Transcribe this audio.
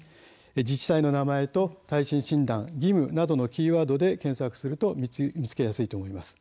自治体の名前と耐震診断、義務などのキーワードで検索すると見つけやすいと思います。